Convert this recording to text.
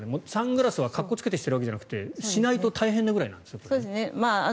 サングラスはかっこつけてしているわけじゃなくてしないと大変なくらいなんですね。